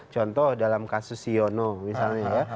contoh dalam kasus siono misalnya ya